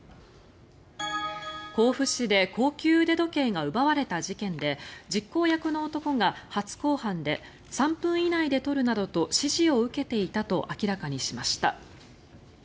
甲府市で高級腕時計が奪われた事件で実行役の男が初公判で３分以内で取るなどと指示を受けていたと明らかにしました。